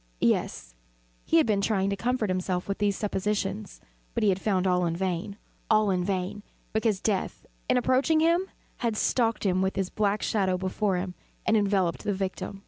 Yes, he had been trying to comfort himself with these suppositions: but he had found all in vain. All in vain; because Death, in approaching him had stalked with his black shadow before him, and enveloped the victim.